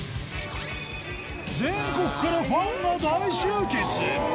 全国からファンが大集結！